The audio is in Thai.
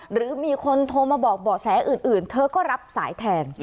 หรือมีคนโทรมาบอกเบาะแสอื่นเธอก็รับสายแทน